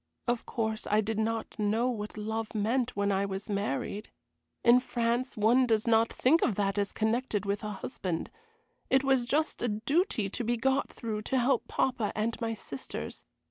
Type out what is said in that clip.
Of course I did not know what love meant when I was married. In France one does not think of that as connected with a husband. It was just a duty to be got through to help papa and my sisters.